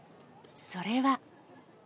それは。